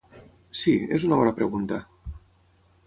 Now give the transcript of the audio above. Sí, és una bona pregunta.